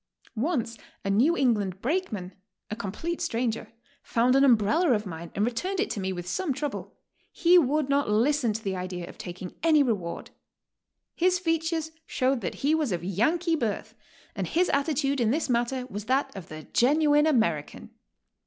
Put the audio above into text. Once a New England brakeman, a complete stranger, found an umbrella of mine and returned it to me with some trouble; he would not listen to the idea of taking any reward. His features showed that he was of Yankee birth, and his attitude in this matter was that of the genuine American.